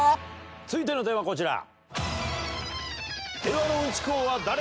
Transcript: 続いてのテーマこちら。